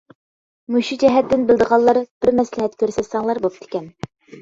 مۇشۇ جەھەتتىن بىلىدىغانلار بىر مەسلىھەت كۆرسەتسەڭلار بوپتىكەن.